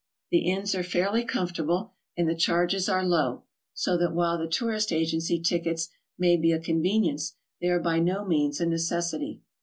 The inns are fairly comfortable an>d the charges are low, iso that while the tourist agency tickets may be a convenience, they are by no means a necessity.